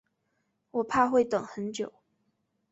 我怕会等很久